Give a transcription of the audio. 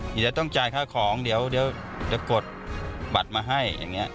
เดี๋ยวจะต้องจ่ายค่าของเดี๋ยวจะกดบัตรมาให้อย่างนี้